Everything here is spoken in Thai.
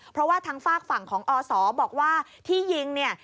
เพราะว่าทางฝากฝั่งของอศบอกว่าที่ยิงเนี่ย